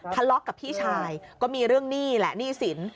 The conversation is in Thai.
ทัลล็อกกับพี่ชายก็มีเรื่องนี่แหละนี่สิน